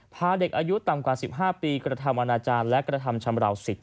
พาเด็กอายุต่ำกว่า๑๕ปีกระทำอนาจารย์และกระทำชำราวสิทธ